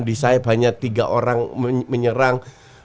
di sayap hanya tiga orang menyerang